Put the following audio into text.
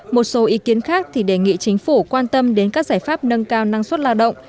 một số ý kiến khác thì đề nghị chính phủ quan tâm đến các giải pháp nâng cao năng suất lao động